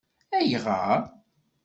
Ayɣer?